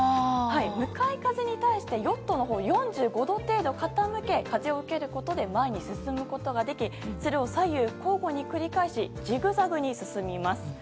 向かい風に対してヨットの帆を４５度程度傾け風を受けることで前に進むことができそれを左右交互に繰り返しジグザグに進みます。